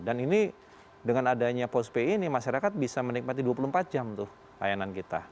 dan ini dengan adanya postpay ini masyarakat bisa menikmati dua puluh empat jam tuh layanan kita